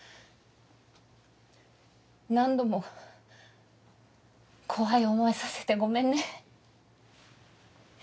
何度も怖い思いさせてごめんね。